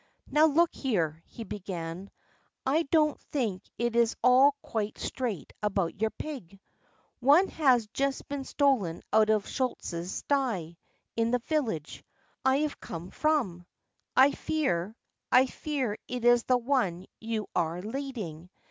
"Now, look here," he began; "I don't think it's all quite straight about your pig. One has just been stolen out of Schultze's sty, in the village I have come from. I fear, I fear it is the one you are leading.